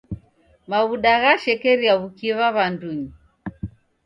Maw'uda ghashekeria w'ukiwa w'andunyi.